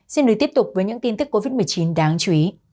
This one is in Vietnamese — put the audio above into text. xin được tiếp tục với những tin tức covid một mươi chín đáng chú ý